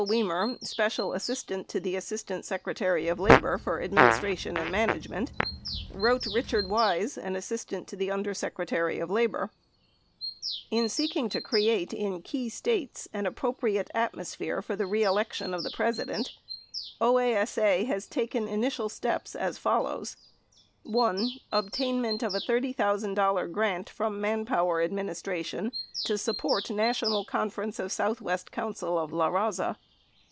Wimer, Special Assistant to the Assistant Secretary of Labor for Administration and Management, wrote Richard Wise an assistant to the Under Secretary of Labor : In seeking to create in key States an appropriate atmos phere for the re election of the President, OASA has taken initial steps as follows : 1. Obtainment of $30,000 grant from Manpower Admin istration to support National Conference of Southwest Coun cil of LaRaza.